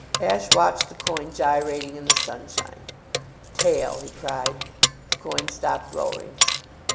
Ashe watched the coin gyrating in the sunshine. "Tail!" he cried. The coin stopped rolling.